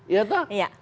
iya tak iya